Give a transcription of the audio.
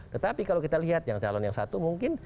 tetapi kalau kita lihat yang calon yang satu mungkin